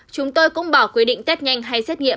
chúng tôi cũng bỏ quy định test nhanh hay xét nghiệm